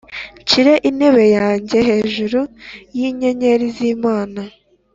nshyire intebe yanjye hejuru y’inyenyeri z’Imana,